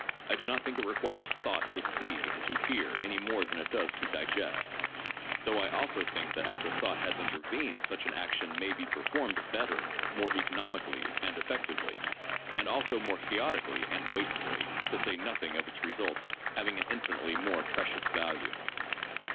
I do not think it requires "thought" to see and to hear any more than it does to digest; though I also think that after thought has intervened such an action may be performed better, more economically and effectively— and also more chaotically and wastefully— to say nothing of its results having an infinitely more precious value.